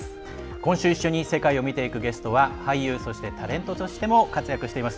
今週一緒に世界を見ていくゲストは俳優、そしてタレントとしても活躍しています